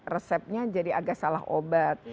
resepnya jadi agak salah obat